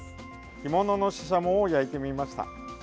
干物のシシャモを焼いてみました。